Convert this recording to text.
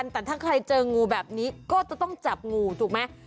แต่ถ้าใครเจองูแบบนี้ก็จะต้องจับงูถูกไหม